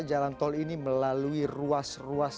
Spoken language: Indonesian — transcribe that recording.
jalan tol ini melalui ruas ruas